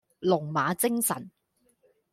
龍馬精神